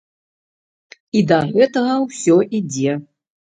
І да гэтага ўсё ідзе.